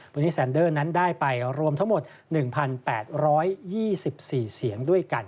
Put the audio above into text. วันนี้แซนเดอร์นั้นได้ไปรวมทั้งหมด๑๘๒๔เสียงด้วยกัน